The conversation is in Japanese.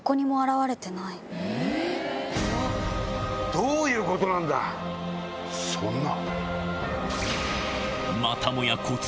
どういうことなんだ⁉そんな。